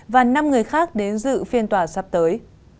và năm người khác đến dự phiên tòa sắp tới